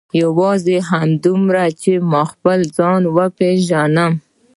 یوازې همدومره چې خپل ځان وپېژنم.